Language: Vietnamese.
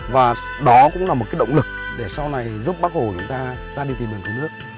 và đó cũng là một cái động lực để sau này giúp bắc hồ chúng ta ra đi tìm được nước